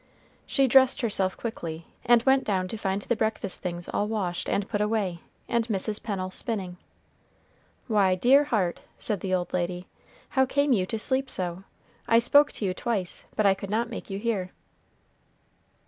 She dressed herself quickly, and went down to find the breakfast things all washed and put away, and Mrs. Pennel spinning. "Why, dear heart," said the old lady, "how came you to sleep so? I spoke to you twice, but I could not make you hear."